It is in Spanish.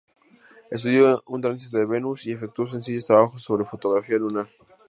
Estudió un tránsito de Venus y efectuó sencillos trabajos sobre fotografía lunar.